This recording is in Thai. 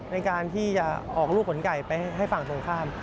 ในการที่จะออกลูกขนไก่ไปให้ฝั่งตรงข้าม